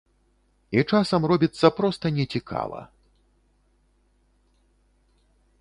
І часам робіцца проста не цікава.